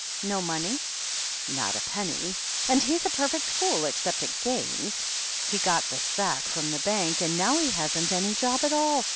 No money?" Not a penny, and he's a perfect fool, except at games. He got the sack from the Bank, and now he hasn't any job at all.